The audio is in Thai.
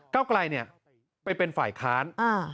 เก้าไกลไปเป็นฝ่ายค้าน